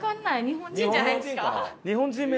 日本人じゃないですか？